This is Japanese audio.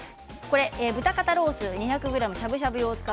豚肩ロース２００ｇしゃぶしゃぶ用ですね。